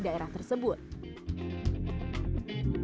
daerah tersebut hai